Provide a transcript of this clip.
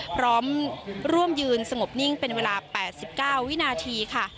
พร้อมร่วมยืนสงบนิ่งเป็นเวลา๘๙วินาทีค่ะ